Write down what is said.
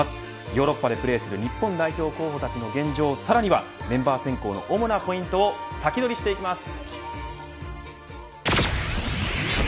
ヨーロッパでプレーする日本代表候補たちの現状さらにはメンバー選考の主なポイントを先取りしてきます。